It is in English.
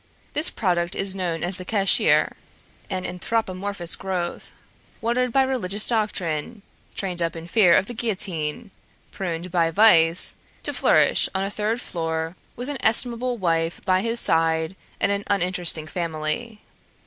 This product is known as the Cashier, an anthropomorphous growth, watered by religious doctrine, trained up in fear of the guillotine, pruned by vice, to flourish on a third floor with an estimable wife by his side and an uninteresting family.